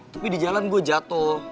tapi di jalan gue jatuh